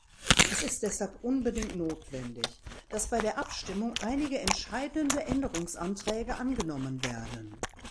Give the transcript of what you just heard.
Es ist deshalb unbedingt notwendig, dass bei der Abstimmung einige entscheidende Änderungsanträge angenommen werden.